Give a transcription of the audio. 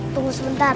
tunggu sebentar